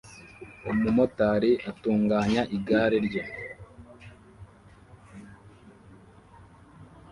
Umumotari atunganya igare rye